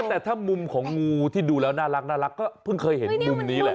แต่ถ้ามุมของงูที่ดูแล้วน่ารักก็เพิ่งเคยเห็นมุมนี้แหละ